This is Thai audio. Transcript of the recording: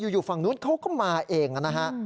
อยู่ฝั่งนู้นเขาก็มาเองนะฮะ